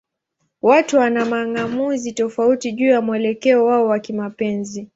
Watu wana mang'amuzi tofauti juu ya mwelekeo wao wa kimapenzi.